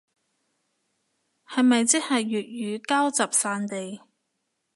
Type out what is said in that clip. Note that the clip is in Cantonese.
係咪即係粵語膠集散地